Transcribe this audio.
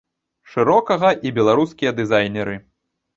Шырокага і беларускія дызайнеры.